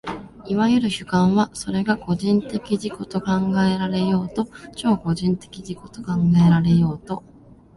いわゆる主観は、それが個人的自己と考えられようと超個人的自己と考えられようと、